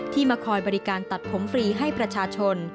มาคอยบริการตัดผมฟรีให้ประชาชน